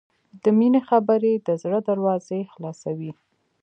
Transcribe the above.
د مینې خبرې د زړه دروازې خلاصوي.